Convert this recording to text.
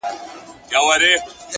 لوړ لید د محدودیتونو اغېز کموي!